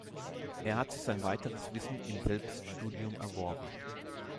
Er hat sich sein weiteres Wissen im Selbststudium erworben.